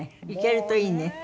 行けるといいね。